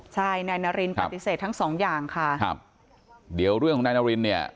ใช่นายนารินปฏิเสธทั้งสองอย่างค่ะครับเดี๋ยวเรื่องของนายนารินเนี่ย